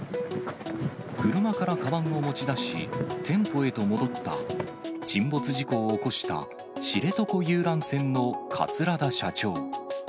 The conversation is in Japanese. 車からかばんを持ち出し、店舗へと戻った、沈没事故を起こした知床遊覧船の桂田社長。